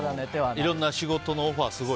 いろんな仕事のオファーすごい？